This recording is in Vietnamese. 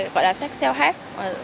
gọi là sách self help